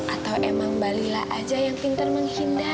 atau emang mbak lila aja yang pinter menghindar